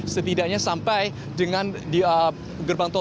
setidaknya sampai dengan gerbang tol palimanan